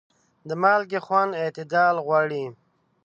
د مالګې خوند اعتدال غواړي.